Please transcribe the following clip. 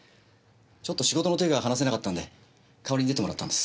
ちょっと仕事の手が離せなかったんで代わりに出てもらったんです。